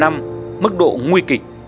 năm mức độ nguy kịch